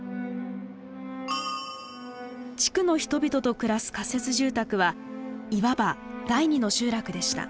地区の人々と暮らす仮設住宅はいわば第二の集落でした。